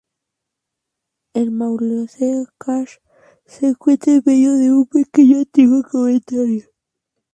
El Mausoleo Chashma-Ayub se encuentra en medio de un pequeño y antiguo cementerio.